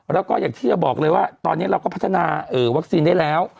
แล้วก็อย่างที่จะบอกเลยว่าตอนนี้เราก็พัฒนาวัคซีนได้แล้ว